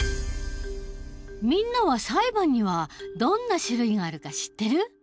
みんなは裁判にはどんな種類があるか知ってる？